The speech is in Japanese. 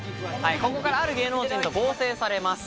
ここから、ある芸能人と合成されます。